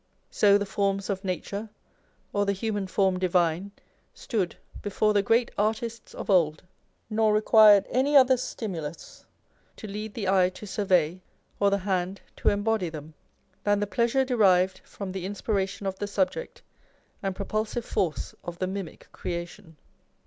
So the forms of nature, or the human form divine, stood before the great artists of old, nor required any other stimulus to lead the eye to survey, or the hand to embody them, than the pleasure derived from the inspiration of the subject, and "propulsive force" of the mimic creation.